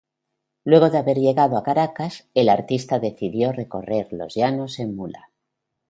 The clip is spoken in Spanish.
Luego de haber llegado a Caracas, el artista decidió recorrer los llanos en mula.